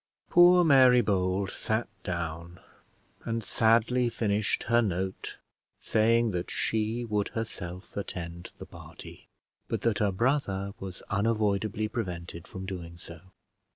Poor Mary Bold sat down, and sadly finished her note, saying that she would herself attend the party, but that her brother was unavoidably prevented from doing so.